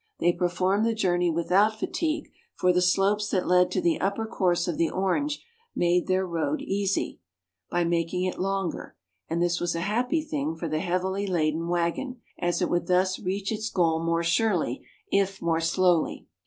They performed the journey without fatigue, for the slopes that led to the upper course of the Orange made their road easy, by making it longer, and this was a happy thing for the heavily laden waggon, as it would thus reach its goal more surely, if more slowly.